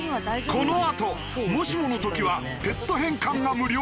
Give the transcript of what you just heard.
このあともしもの時はペット返還が無料！？